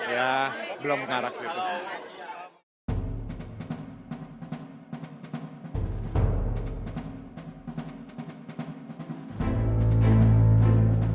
ya belum ngarak situ